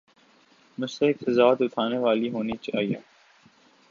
مستحق سزا تو تھانے والی ہونی چاہیے۔